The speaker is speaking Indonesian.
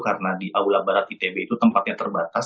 karena di aula barat itb itu tempatnya terbatas